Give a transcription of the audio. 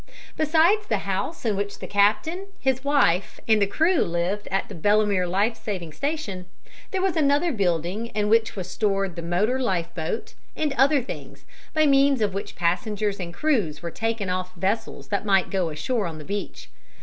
Besides the house in which the captain, his wife and the crew lived at the Belemere life saving station, there was another building in which was stored the motor life boat, and other things, by means of which passengers and crews were taken off vessels that might go ashore on the beach.